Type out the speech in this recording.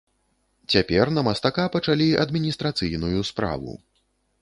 Цяпер на мастака пачалі адміністрацыйную справу.